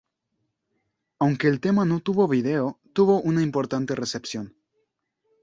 Aunque el tema no tuvo video, tuvo una importante recepción.